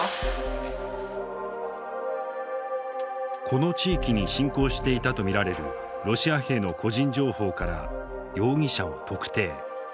この地域に侵攻していたと見られるロシア兵の個人情報から容疑者を特定。